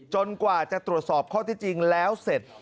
กว่าจะตรวจสอบข้อที่จริงแล้วเสร็จ